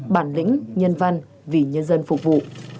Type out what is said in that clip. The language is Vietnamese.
bản lĩnh nhân văn vì nhân dân phục vụ